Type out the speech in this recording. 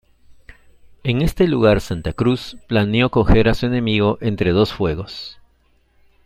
En este lugar Santa Cruz planeó coger a su enemigo entre dos fuegos.